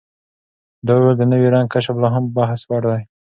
ده وویل، د نوي رنګ کشف لا هم بحثوړ دی.